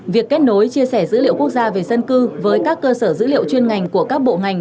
việc kết nối chia sẻ dữ liệu quốc gia về dân cư với các cơ sở dữ liệu chuyên ngành của các bộ ngành